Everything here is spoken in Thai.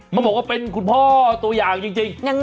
บอกว่าเป็นคุณพ่อตัวอย่างจริง